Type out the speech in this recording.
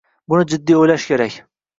Buni jiddiy o‘ylash kerak.